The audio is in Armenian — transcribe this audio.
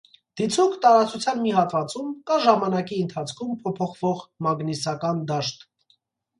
Դիցուք տարածության մի հատվածում կա ժամանակի ընթացքում փոփոխվող մագնիսական դաշտ։